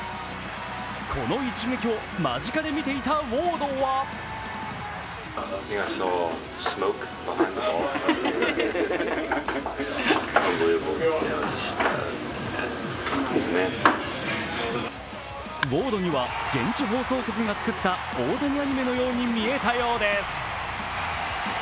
この一撃を間近で見ていたウォードはウォードには現地放送局が作った大谷アニメのように見えたようです。